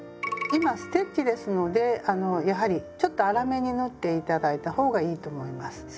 今ステッチですのでやはりちょっと粗めに縫って頂いた方がいいと思います。